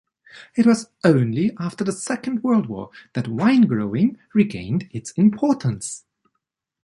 It was only after the Second World War that wine-growing regained its importance.